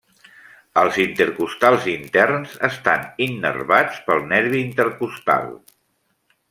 Els intercostals interns estan innervats pel nervi intercostal.